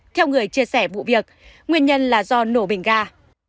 theo người chia sẻ vụ việc nguyên nhân là do nổ bình ga